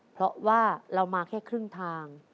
เพราะว่าเรามาแค่ครึ่งทาง